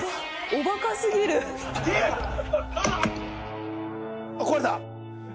おバカすぎるあっ壊れた！